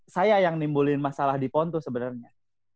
saya yang nimbulin masalah di pon tuh sebenarnya